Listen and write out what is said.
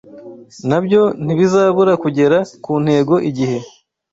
nabyo ntibizabura kugera ku ntego igihe